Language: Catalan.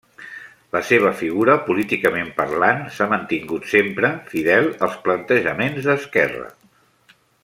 La seva figura, políticament parlant, s'ha mantingut sempre fidel als plantejaments d'esquerra.